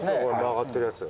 曲がってるやつ。